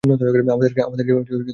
আমাদেরকে চালিয়ে যেতে হবে!